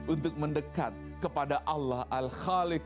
untuk mendekat kepada allah al khaliq